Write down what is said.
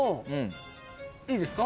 いいですか？